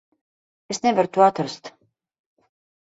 Es nevaru to atrast.